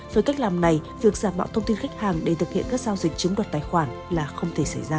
với cách làm này việc giả mạo thông tin khách hàng để thực hiện các giao dịch chiếm đoạt tài khoản là không thể xảy ra